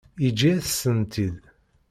Yeǧǧa-yas-tent-id.